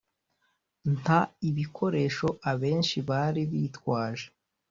Nta ibikoresho abenshi bari bitwaje